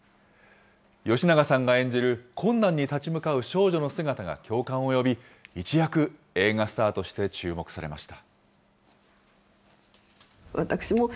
吉永さんが演じる、困難に立ち向かう少女の姿が共感を呼び、一躍、映画スターとして注目されました。